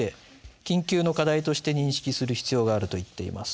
「緊急の課題として認識する必要があると言っています」。